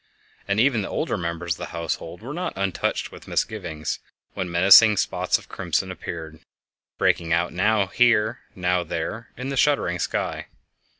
And even the older members of the household were not untouched with misgivings when menacing spots of crimson appeared, breaking out now here, now there, in the shuddering sky.